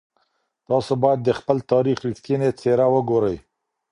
تاسو بايد د خپل تاريخ رښتينې څېره وګورئ.